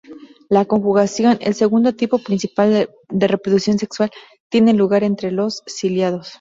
La conjugación, el segundo tipo principal de reproducción sexual, tiene lugar entre los ciliados.